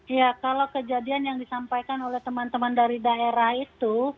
iya kalau kejadian yang disampaikan oleh teman teman dari daerah itu